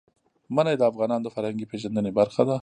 منی د افغانانو د فرهنګي پیژندنې برخه ده.